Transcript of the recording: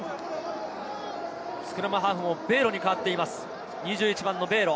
スクラムハーフもベーロに代わっていますベーロ。